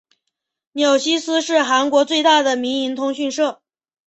纽西斯是韩国最大的民营通讯社。